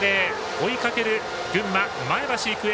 追いかける群馬の前橋育英。